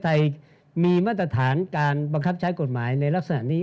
เดชิงในตอนข้างต่ำทำช่วยสิ